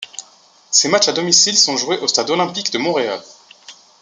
Ces matchs à domicile sont joués au Stade olympique de Montréal.